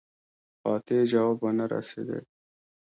قاطع جواب ونه رسېدی.